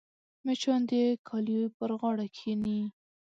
مچان د کالي پر غاړه کښېني